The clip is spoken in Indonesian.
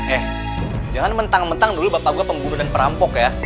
eh jangan mentang mentang dulu bapak gue pembunuh dan perampok ya